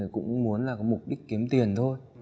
cũng muốn là có mục đích kiếm tiền thôi